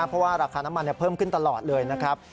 เพราะว่าราคาน้ำมันเพิ่มขึ้นตลอดเลยนะครับ